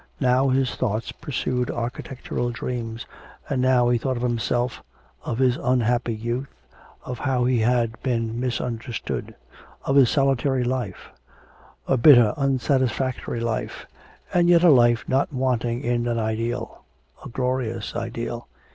Now his thoughts pursued architectural dreams, and now he thought of himself, of his unhappy youth, of how he had been misunderstood, of his solitary life; a bitter, unsatisfactory life, and yet a life not wanting in an ideal a glorious ideal.